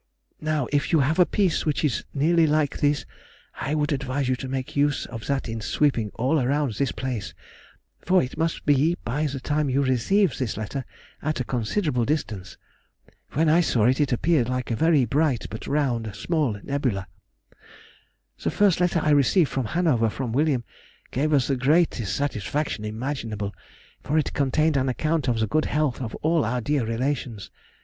Now, if you have a piece which is nearly like this, I would advise you to make use of that in sweeping all around this place, for it must be, by the time you receive this letter, at a considerable distance. When I saw it, it appeared like a very bright, but round, small nebula. The first letter I received from Hanover from William gave us the greatest satisfaction imaginable, for it contained an account of the good health of all our dear relations.